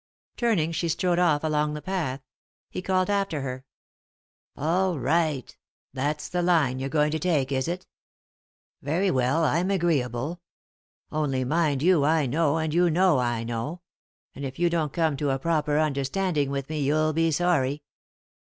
Turning, she strode off along the path. He called after her. 124 3i 9 iii^d by Google THE INTERRUPTED KISS "All right t — that's the line you're going to take, is it ? Very well, I'm agreeable. Only, mind you, I know, and you know I know ; and if you don't come to a proper understanding with me you'll be sorry."